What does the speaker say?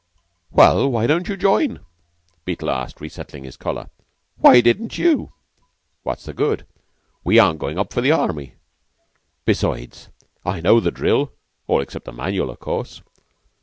"Well, why don't you join?" Beetle asked, resettling his collar. "Why didn't you?" "What's the good? We aren't goin' up for the Army. Besides, I know the drill all except the manual, of course.